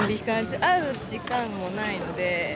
会う時間もないので。